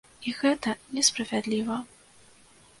І гэта не справядліва.